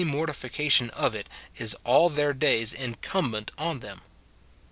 163 mortification of it is all their days incumbent on tliem.